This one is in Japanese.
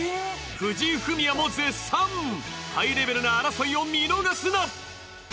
藤井フミヤも絶賛ハイレベルな争いを見逃すな！